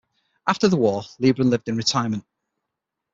After the war, Lebrun lived in retirement.